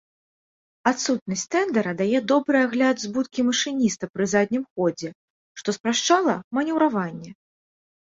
Адсутнасць тэндара дае добры агляд з будкі машыніста пры заднім ходзе, што спрашчала манеўраванне.